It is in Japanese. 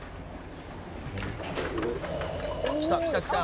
「きたきたきた！」